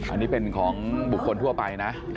อันนี้เป็นของบุคคลทั่วไปนะ